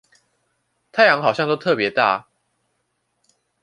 太陽好像都特別大